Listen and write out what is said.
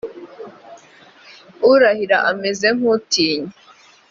urahira ameze nk utinya